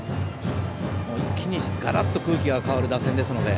一気にガラッと空気が変わる打線ですので。